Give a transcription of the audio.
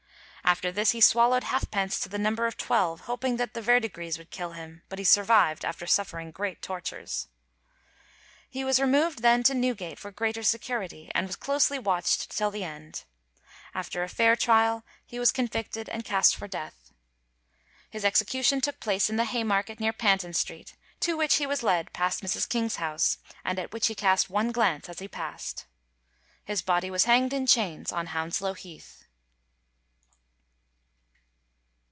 After this he swallowed halfpence to the number of twelve, hoping that the verdigreese would kill him, but he survived after suffering great tortures. He was removed then to Newgate for greater security, and was closely watched till the end. After a fair trial he was convicted and cast for death. His execution took place in the Haymarket near Panton Street, to which he was led past Mrs. King's house, and at which he cast one glance as he passed. His body was hanged in chains on Hounslow Heath.